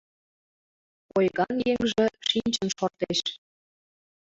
Ойган еҥже шинчын шортеш.